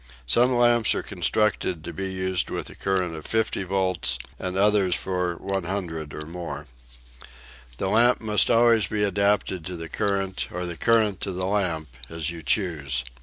Some lamps are constructed to be used with a current of fifty volts and others for 100 or more. The lamp must always be adapted to the current or the current to the lamp, as you choose.